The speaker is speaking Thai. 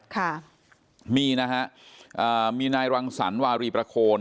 ค่ะมีนะฮะอ่ามีนายรังสรรวารีประโคน